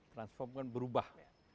transform kan berubah